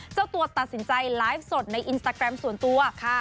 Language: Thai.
เจ้าตัวตัดสินใจไลฟ์สดในอินสตาแกรมส่วนตัวค่ะ